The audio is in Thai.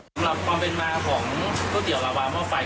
สำหรับความเป็นมาของก๋วยเตี๋ยวลาวาหม้อไฟ